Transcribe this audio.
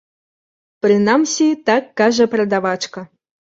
Прынамсі, так кажа прадавачка.